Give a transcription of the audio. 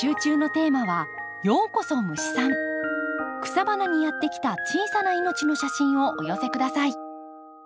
草花にやって来た小さな命の写真をお寄せ下さい。